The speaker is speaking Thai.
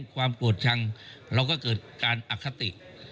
ความโกรธชังเราก็เกิดการอคติ